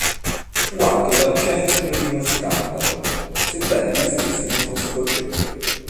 Fu anche al centro di uno scandalo, sebbene lui stesso non fosse colpevole.